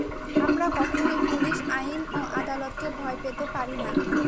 আমরা কখনই পুলিশ, আইন ও আদালতকে ভয় পেতে পারি না।